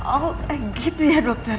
oh gitu ya dokter